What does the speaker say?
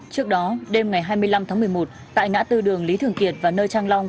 trước đó đêm ngày hai mươi năm tháng một mươi một tại ngã tư đường lý thường kiệt và nơi trang long